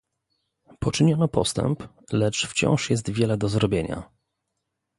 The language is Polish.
Poczyniono postęp, lecz wciąż jest wiele do zrobienia